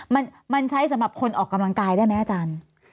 มันใช้สำหรับคนออกกำลังกายได้ไหมอาจารย์